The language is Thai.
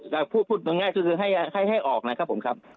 ก็คือพูดง่ายก็คือให้ให้ออกนะครับผมครับ